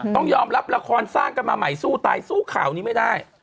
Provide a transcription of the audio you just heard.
ต้องยอมรับละครสร้างกันมาใหม่สู้ตายสู้ข่าวนี้ไม่ได้